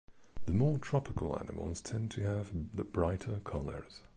The more tropical animals tend to have the brighter colours.